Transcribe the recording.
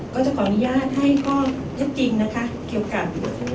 ก็จะขออนุญาตให้ข้อเท็จจริงนะคะเกี่ยวกับ